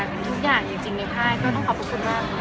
ทุกอย่างจริงในค่ายก็ต้องขอบคุณมาก